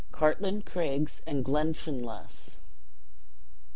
Cartlane Craigs, and Glenfinlass.